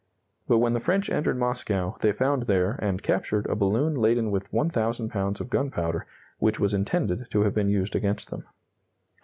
But when the French entered Moscow, they found there, and captured, a balloon laden with 1,000 pounds of gunpowder which was intended to have been used against them.